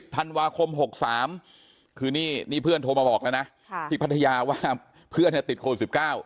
ธันวาคม๖๓คือนี่เพื่อนโทรมาบอกแล้วนะที่พัทยาว่าเพื่อนติดโควิด๑๙